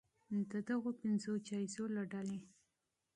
د دغو پنځو جایزو له ډلې